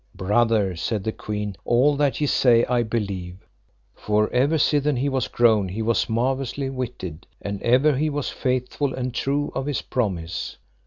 Brother, said the queen, all that ye say I believe, for ever sithen he was grown he was marvellously witted, and ever he was faithful and true of his promise.